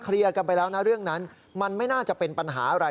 กันไปแล้วนะเรื่องนั้นมันไม่น่าจะเป็นปัญหาอะไร